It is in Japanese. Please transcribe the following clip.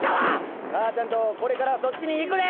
母ちゃんとこれからそっちに行くで！